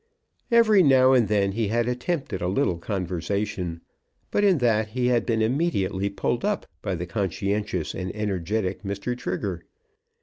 Every now and then he had attempted a little conversation, but in that he had been immediately pulled up by the conscientious and energetic Mr. Trigger.